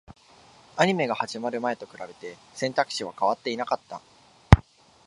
アニメが始まる前と比べて、選択肢は変わっていなかった